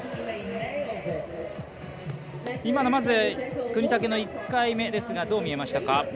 今の、國武の１回目ですがどう見えましたか？